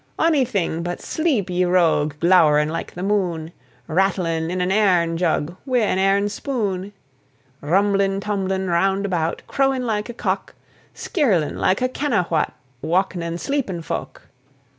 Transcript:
Onything but sleep, ye rogue! glow'rin' like the moon, Rattlin' in an airn jug wi' an airn spoon, Rumblin' tumblin' roun' about, crowin' like a cock, Skirlin' like a kenna what wauknin' sleepin' folk.